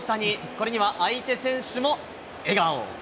これには相手選手も笑顔。